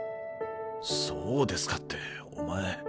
そうですかってお前。